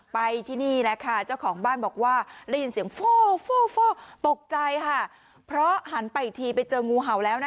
ไปที่นี่แหละค่ะเจ้าของบ้านบอกว่าได้ยินเสียงฟ่อตกใจค่ะเพราะหันไปอีกทีไปเจองูเห่าแล้วนะคะ